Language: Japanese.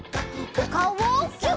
おかおをギュッ！